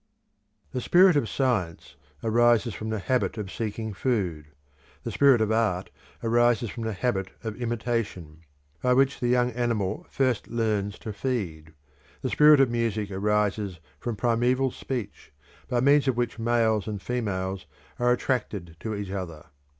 The spirit of science arises from the habit of seeking food; the spirit of art arises from the habit of imitation, by which the young animal first learns to feed; the spirit of music arises from primeval speech, by means of which males and females are attracted to each other.